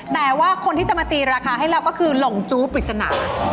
แต่ว่าคนที่จะมาตีราคาให้เราก็คือหลงจู้ปริศนา